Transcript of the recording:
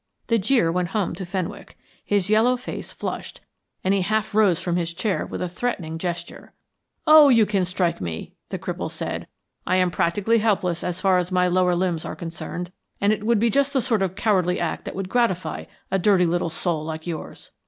The jeer went home to Fenwick, his yellow face flushed, and he half rose from his chair with a threatening gesture. "Oh, you can strike me," the cripple said. "I am practically helpless as far as my lower limbs are concerned, and it would be just the sort of cowardly act that would gratify a dirty little soul like yours.